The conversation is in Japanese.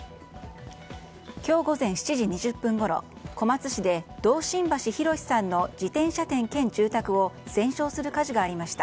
今日午前７時２０分ごろ小松市で堂新橋弘さんの自転車店兼住宅を全焼する火事がありました。